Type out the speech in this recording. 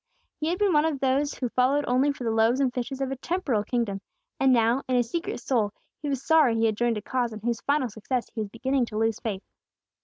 He had been one of those who followed only for the loaves and fishes of a temporal kingdom, and now, in his secret soul, he was sorry he had joined a cause in whose final success he was beginning to lose faith.